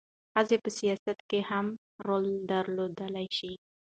ښځې په سیاست کې هم رول درلودلی شي.